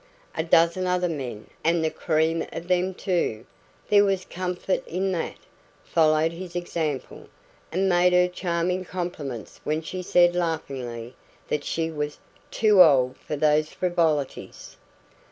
A dozen other men, and the cream of them too there was comfort in that followed his example, and made her charming compliments when she said laughingly that she was "too old for these frivolities".